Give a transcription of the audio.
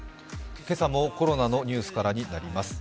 今朝もコロナのニュースからになります。